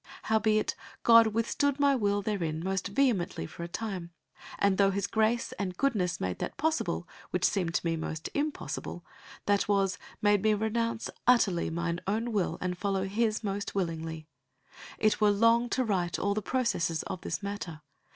Howbeit God withstood my will therein most vehemently for a time, and through His grace and goodness made that possible which seemed to me most impossible; that was, made me renounce utterly mine own will and follow His most willingly. It were long to write all the processes of this matter.